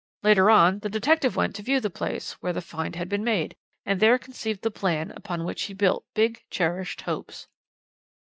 "Later on the detective went to view the place where the find had been made, and there conceived the plan upon which he built big cherished hopes.